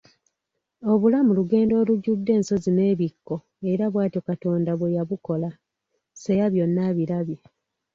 Obulamu lugendo olujjudde ensozi n'ebikko era bw'atyo Katonda bwe yabukola, Seya byona abilabye.